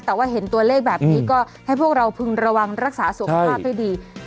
แต่ว่าเห็นตัวเลขแบบนี้ก็ให้พวกเราพึงระวังรักษาสุขภาพให้ดี